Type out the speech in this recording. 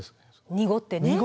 濁ってね。